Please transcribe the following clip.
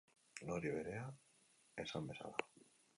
Nori berea, esan bezala.